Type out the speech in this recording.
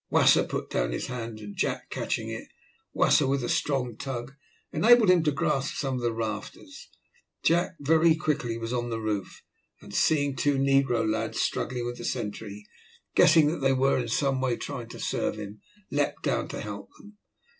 Wasser put down his hand, and Jack catching it, Wasser, with a strong tug, enabled him to grasp some of the rafters. Jack very quickly was on the roof, and seeing two negro lads struggling with the sentry, guessing that they were in some way trying to serve him, leapt down to help them.